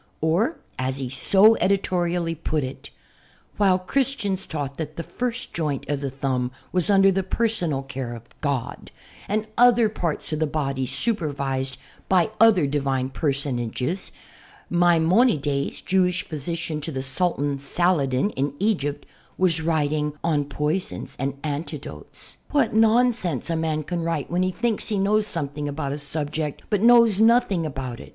Or as he so editorially put it "while Christians taught that the first joint of the thumb was under the personal care of God and other parts of the body supervised by other Divine personages, Maimonides, Jewish physician to the Sultan Saladin, in Egypt, was writing " *On Poisons and Antidotes.' " What nonsense a man can write when he thinks he knows something about a subject but knows nothing about it.